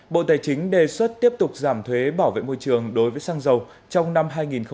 bộ tài chính đề xuất tiếp tục giảm thuế bảo vệ môi trường đối với xăng dầu trong năm hai nghìn hai mươi